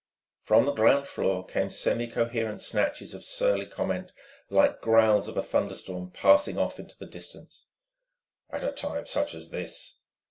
From the ground floor came semi coherent snatches of surly comment, like growls of a thunderstorm passing off into the distance: "At a time such as this...."